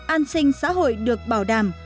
an sinh xã hội được bảo đảm